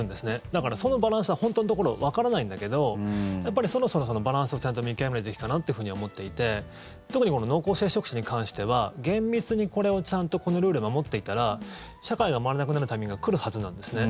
だから、そのバランスは本当のところわからないんだけどそろそろそのバランスをちゃんと見極めていくべきかなと思ってて特に濃厚接触者に関しては厳密にこれをちゃんとこのルールを守っていたら社会が回らなくなるタイミングが来るはずなんですね。